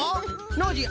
ノージー